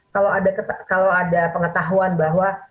kalau ada pengetahuan bahwa